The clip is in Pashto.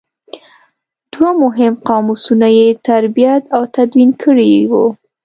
دوه مهم قاموسونه یې ترتیب او تدوین کړي وو.